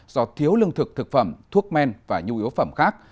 do thiếu lương thực thực phẩm thuốc men và nhu yếu phẩm khác